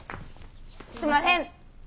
すんまへん。